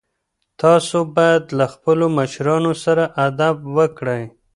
تاسو باید له خپلو مشرانو سره ادب وکړئ.